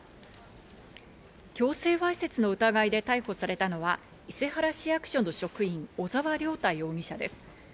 強制わいせつの疑いで逮捕されたのは、伊勢原市役所の職員・小沢亮太容疑者です。